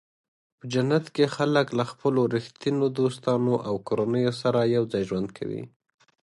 په جنت کې خلک له خپلو رښتینو دوستانو او کورنیو سره یوځای ژوند کوي.